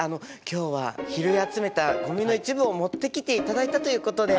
今日は拾い集めたゴミの一部を持ってきていただいたということで。